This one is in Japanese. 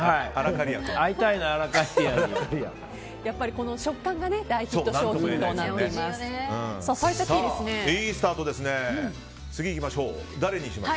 やっぱり食感が大ヒット商品となっております。